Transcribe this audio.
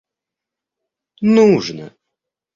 нужно